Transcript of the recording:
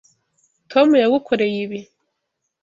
Tom yagukoreye ibi?